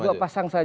dua pasang saja